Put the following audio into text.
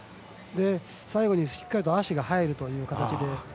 最後にしっかりと足が入るという形で。